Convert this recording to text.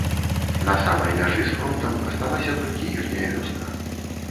На самай мяжы з фронтам асталася толькі іхняя вёска.